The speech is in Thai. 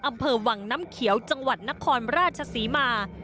อำเภอวังน้ำเขียวจังหวัดนครราชศรีมา